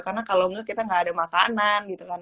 karena kalo kita gak ada makanan gitu kan